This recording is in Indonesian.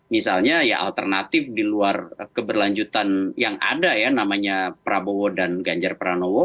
misalnya ya alternatif di luar keberlanjutan yang ada ya namanya prabowo dan ganjar pranowo